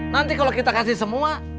nanti kalau kita kasih semua